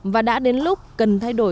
và đã đến lúc cần thay đổi